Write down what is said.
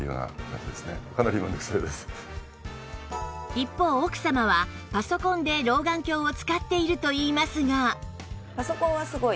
一方奥様はパソコンで老眼鏡を使っているといいますが